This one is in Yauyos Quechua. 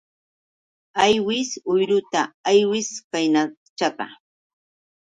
Aywis uyruta aywis kaynachata.